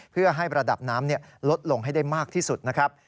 เพื่อให้ระดับน้ำลดลงให้ได้มากที่สุดนะครับ